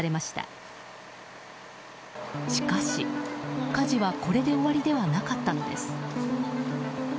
しかし、火事はこれで終わりではなかったのです。